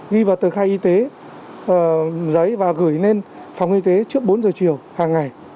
ghi vào tờ khai y tế giấy và gửi lên phòng y tế trước bốn giờ chiều hàng ngày